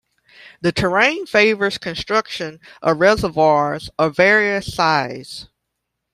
The terrain favours construction of reservoirs of various size.